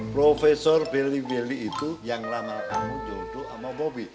profesor giliwili itu yang ramalan kamu jodoh sama bobi